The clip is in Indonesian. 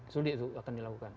sulit itu akan dilakukan